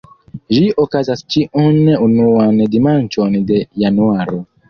Ĝi okazas ĉiun unuan dimanĉon de januaro.